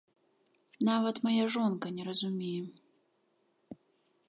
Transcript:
Нават мая жонка не разумее.